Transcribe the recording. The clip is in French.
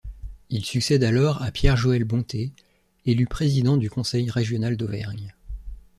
Il succède alors à Pierre-Joël Bonté, élu président du Conseil régional d'Auvergne.